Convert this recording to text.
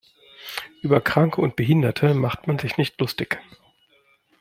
Über Kranke und Behinderte macht man sich nicht lustig.